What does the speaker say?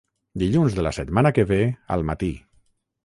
Dilluns de la setmana que ve al matí.